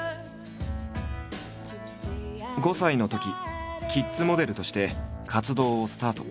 ５歳のときキッズモデルとして活動をスタート。